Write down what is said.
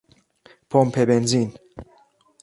پمپ بنزین